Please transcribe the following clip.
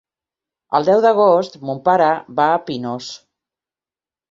El deu d'agost mon pare va a Pinós.